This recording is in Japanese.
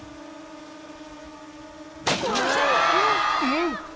［うん？